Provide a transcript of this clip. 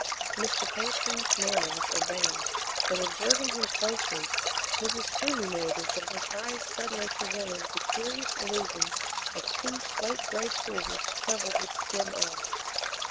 Mr. Pantin's manner was urbane but, observing him closely, Mrs. Toomey noted that his eyes suddenly presented the curious illusion of two slate gray pools covered with skim ice.